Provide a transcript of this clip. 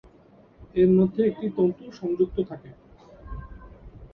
এর মধ্যে একটি তন্তু সংযুক্ত থাকে।